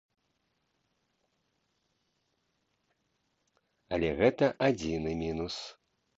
Але гэта адзіны мінус.